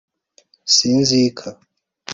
Si inzika